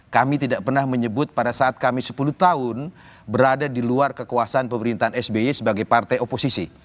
kami tidak pernah menyebut pada saat kami sepuluh tahun berada di luar kekuasaan pemerintahan sby sebagai partai oposisi